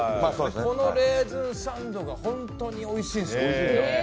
このレーズンサンドが本当においしいんですよ。